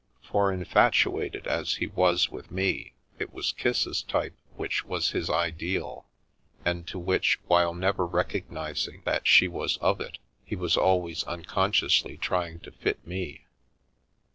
For, infatuated as he was with me, it was Kissa's type which was his ideal, and to which, while never rec ognising that she was of it, he was always unconsciously trying to fit me.